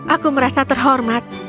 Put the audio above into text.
aku merasa terhormat